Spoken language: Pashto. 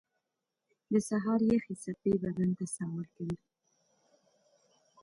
• د سهار یخې څپې بدن ته ساه ورکوي.